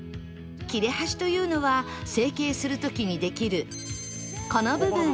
切れ端というのは成形する時にできるこの部分